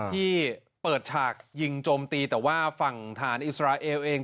ที่เปิดฉากยิงโจมตีแต่ว่าฝั่งฐานอิสราเอลเอง